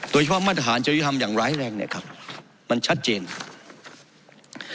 โดยความมาตรฐานจะทำอย่างร้ายแรงมันชัดเจนครับ